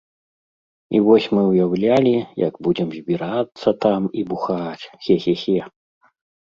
І вось мы ўяўлялі, як будзем збірацца там і бухаць, хе-хе-хе.